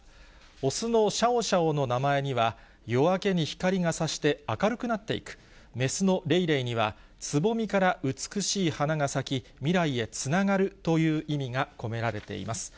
雄のシャオシャオの名前には、夜明けに光が差して明るくなっていく、雌のレイレイには、つぼみから美しい花が咲き、未来へつながるという意味が込められています。